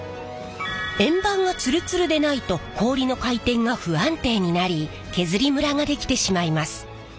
円盤がツルツルでないと氷の回転が不安定になり削りムラができてしまいます。